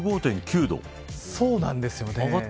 そうなんですよね。